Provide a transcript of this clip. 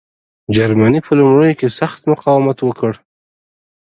جرمني په لومړیو کې سخت مقاومت وکړ.